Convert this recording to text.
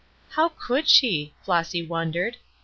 "How could she?" Flossy wondered.